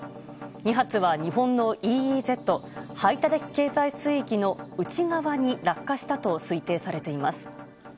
２発は日本のＥＥＺ・排他的経済水域の内側に落下したと推定されています。